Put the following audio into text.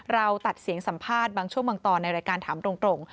ตัดเสียงสัมภาษณ์บางช่วงบางตอนในรายการถามตรง